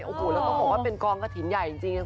โอโหแล้วก็ผิวเป็นฟองกระถิ่นใหญ่จริงจริง